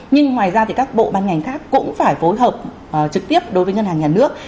nhưng ngoài ra thì các bộ ban ngành khác cũng phải phối hợp trực tiếp đối với ngân hàng nhà nước